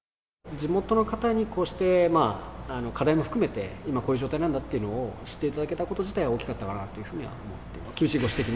地元の方にこうして課題も含めて今こういう状態なんだっていうのを知っていただけたこと自体大きかったかなというふうには思っています